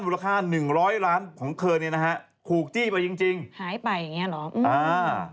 ค่าหนึ่งร้อยล้านของเธอเนี่ยนะฮะถูกจี้ไปจริงจริงหายไปอย่างเงี้เหรออ่า